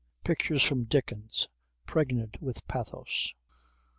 Pictures from Dickens pregnant with pathos.